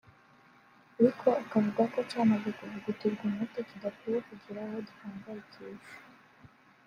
ariko akavuga ko cyamaze kuvugutirwa umuti kidakwiye kugira uwo gihangayikisha